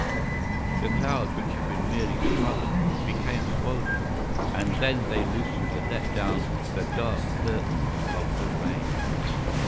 The clouds which had been merely sullen became swollen; and then they loosened and let down the dark curtains of the rain.